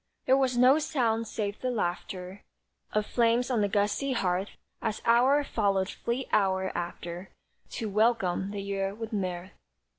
There was no sound save the laughter Of flames on the gusty hearth, As hour followed fleet hour after To welcome the Year with mirth.